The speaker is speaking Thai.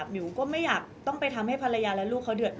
มิวก็ไม่อยากต้องไปทำให้ภรรยาและลูกเขาเดือด